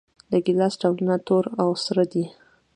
د ګیلاس ډولونه تور او سره دي.